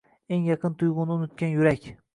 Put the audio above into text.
Eng yaqin tuyg’uni unutgan yurak